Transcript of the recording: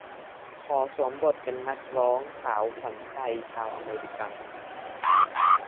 ขอสวมบทเป็นนักร้องสาวขวัญใจชาวอเมริกัน